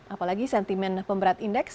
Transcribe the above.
apalagi sentimen pemberat indeks